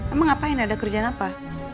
emang ngapain ada kerjaan apa